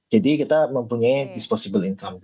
jadi kita mempunyai disposable income